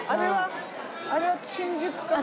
あれは新宿かな？